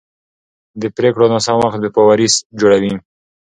د پرېکړو ناسم وخت بې باوري جوړوي